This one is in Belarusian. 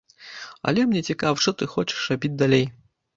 Але мне цікава, што ты хочаш рабіць далей?